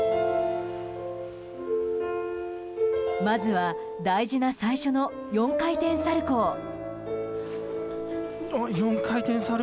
まずは、大事な最初の４回転サルコウ。